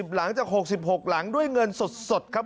หลังจาก๖๖หลังด้วยเงินสดครับ